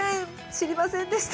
知りませんでした